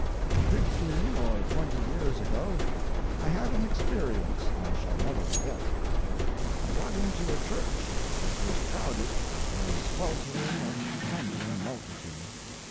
Fifteen or twenty years ago I had an experience I shall never forget. I got into a church which was crowded by a sweltering and panting multitude.